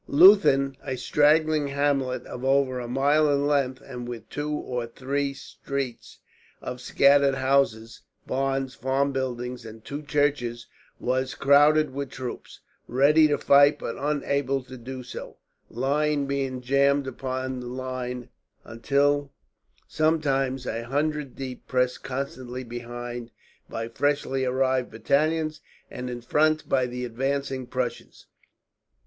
Leuthen, a straggling hamlet of over a mile in length, and with two or three streets of scattered houses, barns, farm buildings, and two churches, was crowded with troops; ready to fight but unable to do so, line being jammed upon line until sometimes a hundred deep, pressed constantly behind by freshly arriving battalions, and in front by the advancing Prussians.